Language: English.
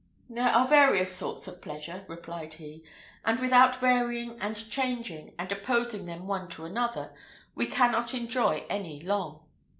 "There are various sorts of pleasure," replied he, "and without varying, and changing, and opposing them one to another, we cannot enjoy any long.